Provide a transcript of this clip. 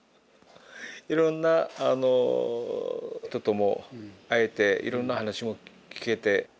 いろんな人とも会えていろんな話も聞けて。